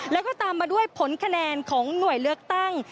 แล้วก็ตามมาด้วยผลคะแนนของหน่วยเลือกตั้ง